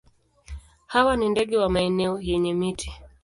Hawa ni ndege wa maeneo yenye miti.